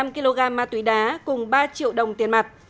năm kg ma túy đá cùng ba triệu đồng tiền mặt